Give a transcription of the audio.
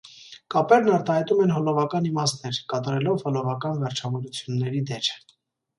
Կապերն արտահայտում են հոլովական իմաստներ՝ կատարելով հոլովական վերջավորությունների դեր։